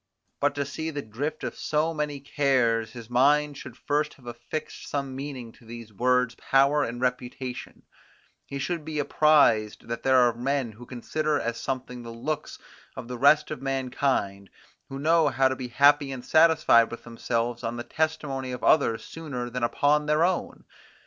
But to see the drift of so many cares, his mind should first have affixed some meaning to these words power and reputation; he should be apprised that there are men who consider as something the looks of the rest of mankind, who know how to be happy and satisfied with themselves on the testimony of others sooner than upon their own.